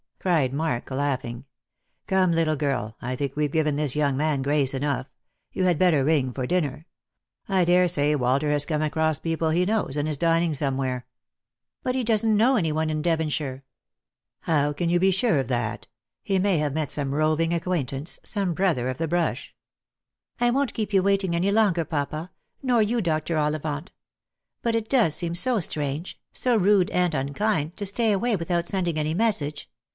cried Mark, laughing. " Come, little girl, I think we've given this young man grace enough. You had better ring for dinner. I daresay Walter has come across people he knows, and is dining somewhere." Jjost for Love. 169 " But he doesn't know any one in Devonshire." "How can you be sure of thatP He may have met some roving acquaintance — some brother of the brush." " I won't keep you waiting any longer, papa; nor you, Dr. Ollivant. But it does seem so strange, so rude and unkind, to stay away without sending any message.